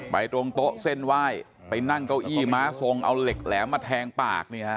ตรงโต๊ะเส้นไหว้ไปนั่งเก้าอี้ม้าทรงเอาเหล็กแหลมมาแทงปาก